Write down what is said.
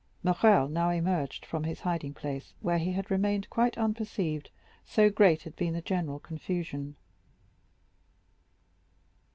Morrel now emerged from his hiding place, where he had remained quite unperceived, so great had been the general confusion.